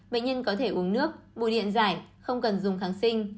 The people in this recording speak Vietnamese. bệnh nhân có thể uống nước bù điện giải không cần dùng kháng sinh